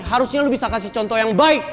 harusnya lo bisa kasih contoh yang baik